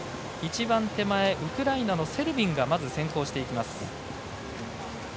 ウクライナのセルビンがまず先行していきます。